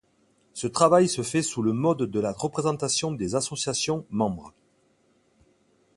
Ce travail se fait sous le mode de la représentation des associations membres.